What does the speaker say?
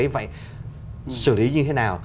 anh phải xử lý như thế nào